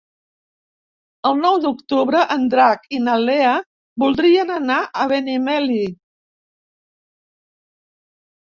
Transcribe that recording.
El nou d'octubre en Drac i na Lea voldrien anar a Benimeli.